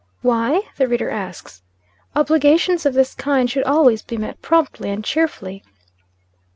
"Why?" the reader asks. "Obligations of this kind should always be met promptly and cheerfully."